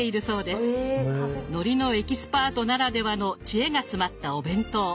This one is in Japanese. のりのエキスパートならではの知恵が詰まったお弁当。